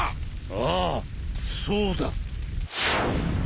ああそうだ。